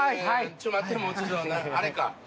ちょっと待ってあれか？